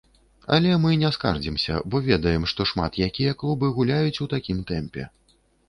Але мы не скардзімся, бо ведаем, што шмат якія клубы гуляюць у такім тэмпе.